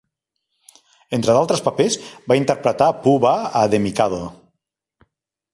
Entre d'altres papers, va interpretar Pooh-Bah a "The Mikado".